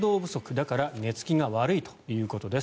だから寝つきが悪いということです。